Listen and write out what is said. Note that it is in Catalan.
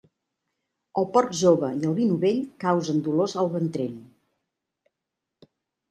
El porc jove i el vi novell causen dolors al ventrell.